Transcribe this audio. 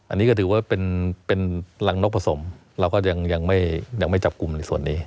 อันนี้ก็ถือว่าเป็นรังนกผสมเราก็ยังไม่จับกลุ่มในส่วนนี้